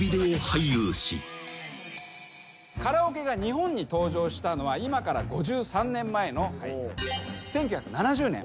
カラオケが日本に登場したのは今から５３年前の１９７０年。